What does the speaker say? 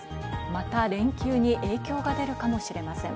また連休に影響が出るかもしれません。